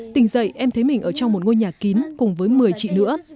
tình dậy em thấy mình ở trong một ngôi nhà kín cùng với một mươi chị nữa